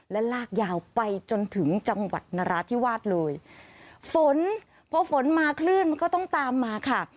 และลากยาวไปจนถึงจังหวัดนราธิวาสเลยฝนพอฝนมาคลื่นมันก็ต้องตามมาค่ะ